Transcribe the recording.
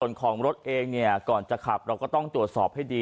ส่วนของรถเองเนี่ยก่อนจะขับเราก็ต้องตรวจสอบให้ดี